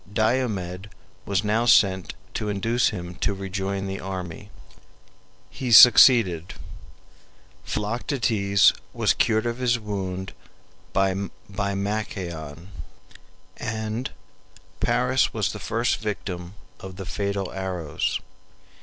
Diomed was now sent to induce him to rejoin the army. He sukcceeded. Philoctetes was cured of his wound by Machaon, and Paris was the first victim of the fatal arrows.